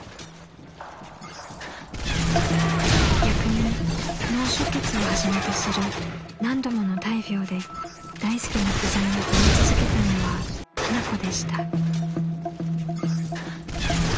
［逆に脳出血をはじめとする何度もの大病で大助の不在を埋め続けたのは花子でした］